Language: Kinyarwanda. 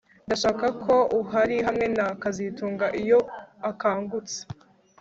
Ndashaka ko uhari hamwe na kazitunga iyo akangutse